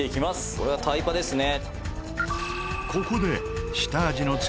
「これはタイパですね」